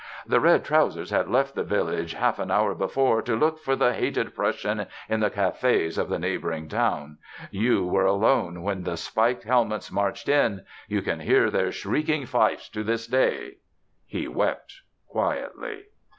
"The red trousers had left the village half an hour before to look for the hated Prussian in the cafés of the neighboring town. You were alone when the spiked helmets marched in. You can hear their shrieking fifes to this day." He wept quietly.